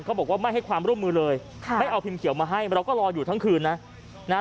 บอกว่าไม่ให้ความร่วมมือเลยค่ะไม่เอาพิมพ์เขียวมาให้เราก็รออยู่ทั้งคืนนะนะฮะ